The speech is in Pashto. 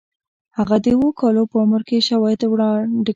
هغه د اوو کالو په عمر کې شواهد وړاندې کړل